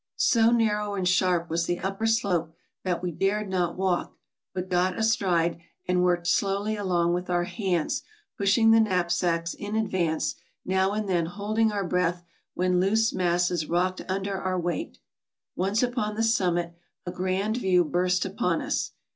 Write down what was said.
So narrow and sharp was the upper slope, that we dared not walk, but got astride, and worked slowly along with our hands, pushing the knapsacks in advance, now and then holding our breath when loose masses rocked under our weight. Once upon the summit, a grand view burst upon us.